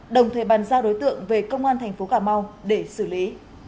đồng thời bàn giao đối tượng về công an tp cm để xử lý